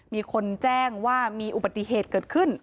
มีคนแจ้งว่ามีอุบัติเหตุเกิดขึ้น